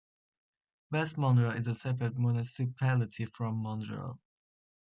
West Monroe is a separate municipality from Monroe.